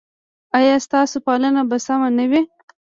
ایا ستاسو پالنه به سمه نه وي؟